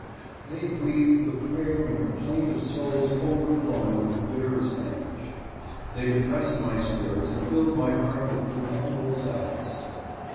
They breathed the prayer and complaint of souls over flowing with the bitterest anguish. They depressed my spirits and filled my heart with ineffable sadness."